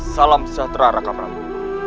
salam sejahtera raka prabu